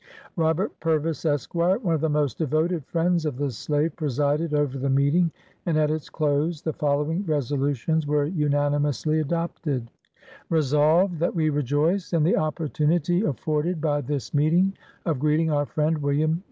Robert Purvis, Esq., one of the most devoted friends of the slave, presided over the meeting, and at its close, the following resolutions were unanimously adopted :—" Resolved , That we rejoice in the opportunity af forded by this meeting of greeting our friend Wm.